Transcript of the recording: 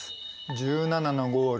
１７のゴール